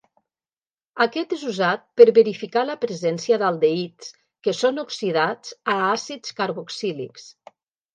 Aquest és usat per verificar la presència d'aldehids, que són oxidats a àcids carboxílics.